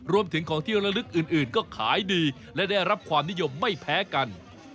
รวมถึงของเที่ยวละลึกอื่นก็ขายดีและได้รับความนิยมไม่แพ้กัน